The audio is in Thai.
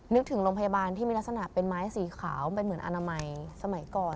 นึกถึงโรงพยาบาลที่มีลักษณะเป็นไม้สีขาวเป็นเหมือนอนามัยสมัยก่อน